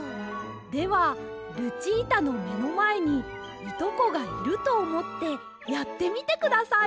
ではルチータのめのまえにいとこがいるとおもってやってみてください。